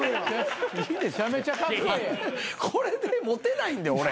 これでモテないんで俺。